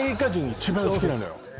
一番好きなのよ